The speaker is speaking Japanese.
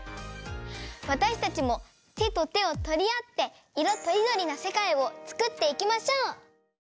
わたしたちもてとてをとりあっていろとりどりな世界をつくっていきましょう！